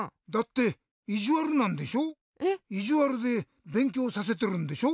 いじわるでべんきょうさせてるんでしょ？